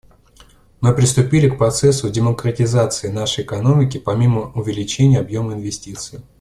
Мы приступили к процессу демократизации нашей экономики помимо увеличения объема инвестиций.